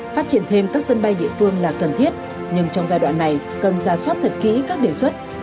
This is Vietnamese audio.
phát triển thêm các sân bay địa phương là cần thiết nhưng trong giai đoạn này cần ra soát thật kỹ các đề xuất